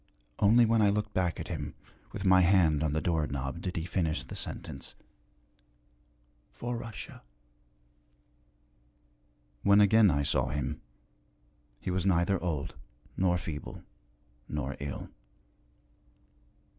Only when I looked back at him, with my hand on the door knob, did he finish the sentence 'for Russia.' When again I saw him he was neither old nor feeble nor ill.